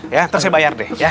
nanti saya bayar deh